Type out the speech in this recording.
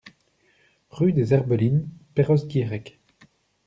Rue des Herbelines, Perros-Guirec